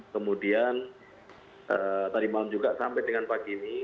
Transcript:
kemudian tadi malam juga sampai dengan pagi ini